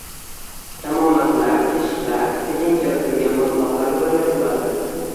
kamomadlar, «teshiklar» tekin kelib turgan mablag‘lar bilan «yopiladi».